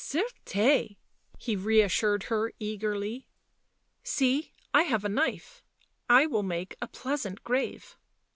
" Certes 1" he reassured her eagerly. " See, I have a knife — I will make a pleasant grave."